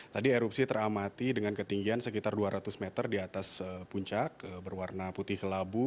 tadi erupsi teramati dengan ketinggian sekitar dua ratus meter di atas puncak berwarna putih kelabu